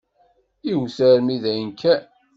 Iwet armi dayen kan.